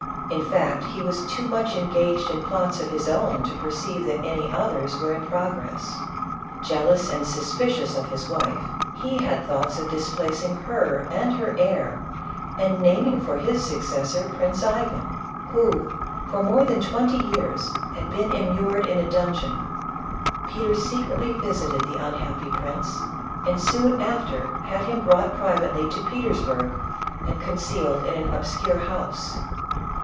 In fact he was too much engaged in plots of his own to perceive that any others were in progress. Jealous and suspicious of his wife, he had thoughts of displacing her and her heir, and naming for his successor Prince Ivan, who, for more than twenty years, had been im mured in a dungeon. Peter secretly visited the un happy prince, and soon after had him brought privately to Petersburg and concealed in an obscure house.